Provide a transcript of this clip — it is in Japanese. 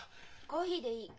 コーヒーでいい。